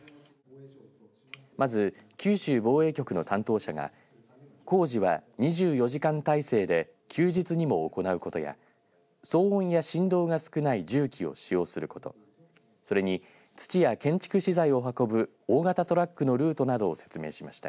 まず九州防衛局の担当者が工事は２４時間体制で休日にも行うことや騒音や振動が少ない重機を使用することそれに土や建築資材を運ぶ大型トラックのルートなどを説明しました。